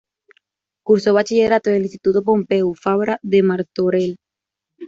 Cursó Bachillerato en el Instituto Pompeu Fabra de Martorell.